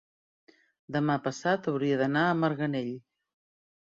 demà passat hauria d'anar a Marganell.